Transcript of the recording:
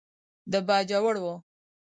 د باجوړ و.